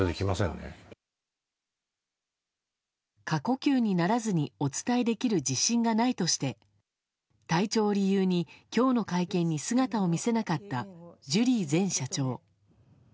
過呼吸にならずにお伝えできる自信がないとして体調を理由に、今日の会見に姿を見せなかったジュリー前社長。